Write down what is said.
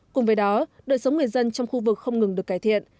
cùng với đó đời sống người dân trong khu vực không ngừng được cải thiện